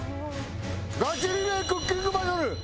ガチリレークッキングバトル開幕です！